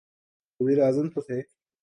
وزیراعظم تو تھے۔